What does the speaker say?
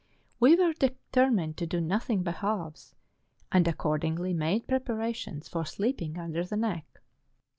We were determined to do nothing by halves, and accordingly made preparations for sleep¬ ing under the neck.